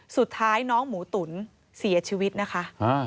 สุดท้ายน้องหมูตุ๋นเสียชีวิตนะคะ